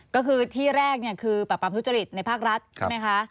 ก็คือที่แรกคือปรับปรามทุจริตในภาครัฐใช่ไหมคะ